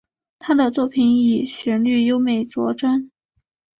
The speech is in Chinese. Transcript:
他的作品以旋律优美着称。